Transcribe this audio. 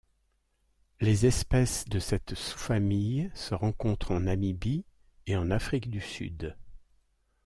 Les espèces de cette sous-famille se rencontrent en Namibie et en Afrique du Sud.